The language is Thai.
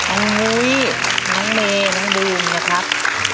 อ้าวน้องเมน้องดูมเนี่ยครับ